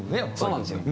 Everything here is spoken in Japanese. そうなんですよ。